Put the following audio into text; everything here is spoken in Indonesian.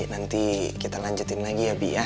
nanti kita lanjutin lagi ya bi ya